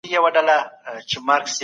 ما خپل پلار په قرار بېداوه.